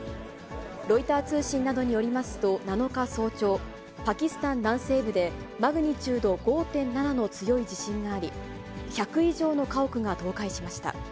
ロイター通信などによりますと、７日早朝、パキスタン南西部で、マグニチュード５．７の強い地震があり、１００以上の家屋が倒壊しました。